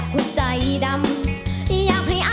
ใครมาลากไป